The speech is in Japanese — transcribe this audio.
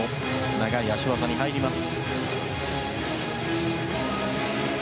長い脚技に入ります。